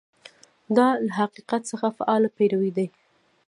دا له حقیقت څخه فعاله پیروي ده.